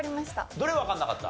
どれわかんなかった？